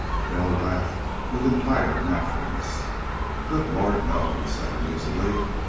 Bell laughed with entire naturalness. "Good Lord, no!" he said amusedly.